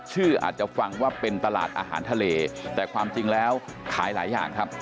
อาจจะฟังว่าเป็นตลาดอาหารทะเลแต่ความจริงแล้วขายหลายอย่างครับ